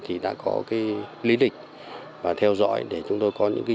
thì đã có cái lý lịch và theo dõi để chúng tôi có những cái